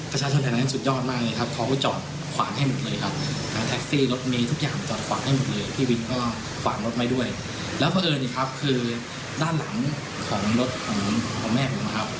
รถติดนะครับ